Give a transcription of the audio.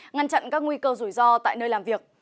ngăn chặn các nguy cơ rủi ro tại nơi làm việc